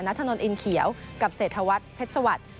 ถนนอินเขียวกับเศรษฐวัฒน์เพชรสวัสดิ์